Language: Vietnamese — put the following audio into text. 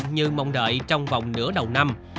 như mong đợi trong vòng nửa đầu năm